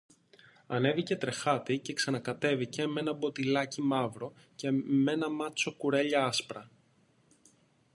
Ανέβηκε τρεχάτη και ξανακατέβηκε μ' ένα μποτιλάκι μαύρο και μ' ένα μάτσο κουρέλια άσπρα